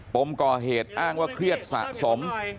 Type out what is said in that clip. ปมก่อเหตุอ้างว่าเครียดสะสม